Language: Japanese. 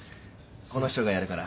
この人がやるから。